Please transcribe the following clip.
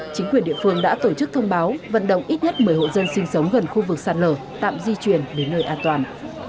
chính quyền địa phương đã tổ chức thông báo vận động ít nhất một mươi hộ dân sinh sống gần khu vực sạt lở tạm di chuyển đến nơi an toàn